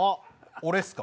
俺っすか？